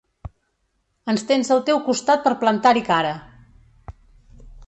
Ens tens al teu costat per plantar-hi cara!